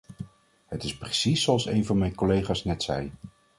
Het is precies zoals één van mijn collega's net zei.